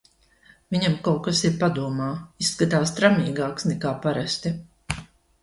Viņam kaut kas ir padomā, izskatās tramīgāks nekā parasti.